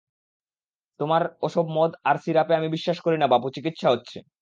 তোমার ওসব মদ আর সিরাপে আমি বিশ্বাস করি না বাপু চিকিৎসা হচ্ছে!